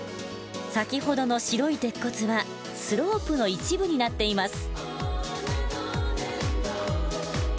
先ほどの白い鉄骨はスロープの一部になっています。